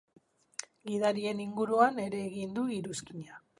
Gidarien inguruan ere egin du iruzkina.